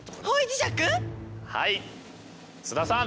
はい須田さん。